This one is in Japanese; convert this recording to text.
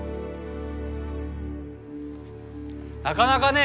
なかなかね